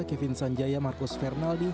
kevin sanjaya marcus fernaldi